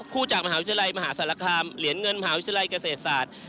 คู่จากมหาวิทยาลัยมหาศาลคามเหรียญเงินมหาวิทยาลัยเกษตรศาสตร์